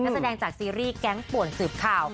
แสดงจากซีรีส์แก๊งป่วนสืบข่าว